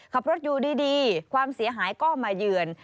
ขับรถอยู่ดีความเสียหายก็มาเยือน